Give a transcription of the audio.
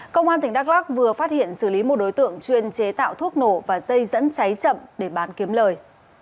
công an tỉnh đắk lắc vừa phát hiện xử lý một đối tượng chuyên chế tạo thuốc nổ và dây dẫn cháy chậm để bán kiếm lời